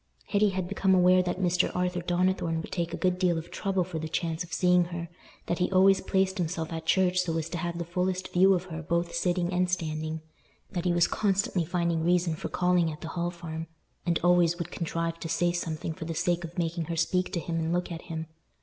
Hetty had become aware that Mr. Arthur Donnithorne would take a good deal of trouble for the chance of seeing her; that he always placed himself at church so as to have the fullest view of her both sitting and standing; that he was constantly finding reason for calling at the Hall Farm, and always would contrive to say something for the sake of making her speak to him and look at him.